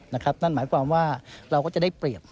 นั่นหมายความว่าเราก็จะได้เปรียบ